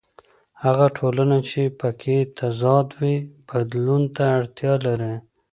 هغه ټولنه چې په کې تضاد وي بدلون ته اړتیا لري.